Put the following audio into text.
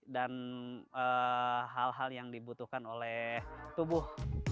dan hal hal yang dibutuhkan oleh tubuh